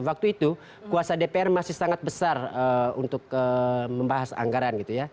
waktu itu kuasa dpr masih sangat besar untuk membahas anggaran gitu ya